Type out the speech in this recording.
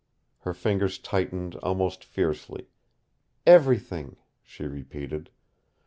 Her fingers tightened almost fiercely. "Everything," she repeated.